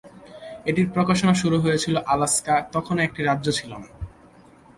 এটির প্রকাশনা যখন শুরু হয়েছিল আলাস্কা তখনো একটি রাজ্য ছিল না।